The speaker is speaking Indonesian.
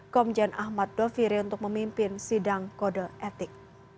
komjen ahmad doviri untuk memimpin sidang kode etik